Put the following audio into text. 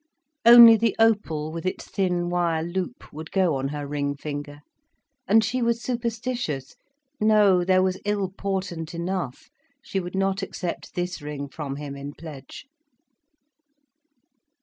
Only the opal, with its thin wire loop, would go on her ring finger. And she was superstitious. No, there was ill portent enough, she would not accept this ring from him in pledge.